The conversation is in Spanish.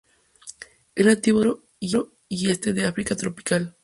Es nativo del centro y este del África tropical.